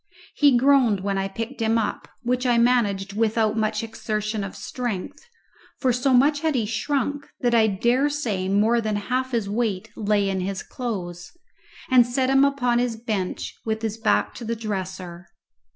He groaned when I picked him up, which I managed without much exertion of strength, for so much had he shrunk that I dare say more than half his weight lay in his clothes; and set him upon his bench with his back to the dresser.